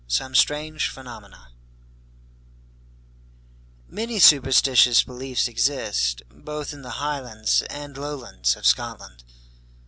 SOME STRANGE PHENOMENA Many superstitious beliefs exist both in the Highlands and Lowlands of Scotland.